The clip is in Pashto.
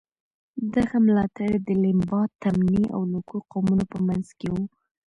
دغه ملاتړي د لیمبا، تمني او لوکو قومونو په منځ کې وو.